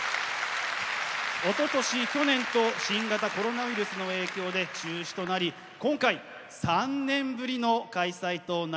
おととし去年と新型コロナウイルスの影響で中止となり今回３年ぶりの開催となります。